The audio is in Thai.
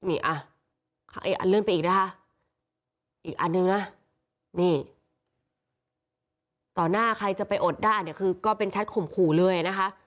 เอาอันเรื่องไปอีกนะคะตอนหน้าใครจะไปอดด้านนี่ก็เป็นชัดขมขู่เลยนะคะ